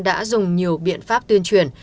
đã dùng nhiều biện pháp tuyên truyền